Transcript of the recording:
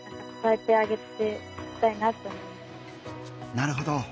なるほど。